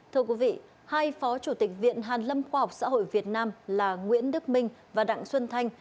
thưa quý vị hai phó chủ tịch viện hàn lâm khoa học xã hội việt nam là nguyễn đức minh và đặng xuân thanh